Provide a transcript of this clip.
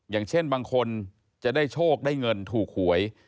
อย่างเช่นบางคนจะได้โชคได้เงินถูกหวย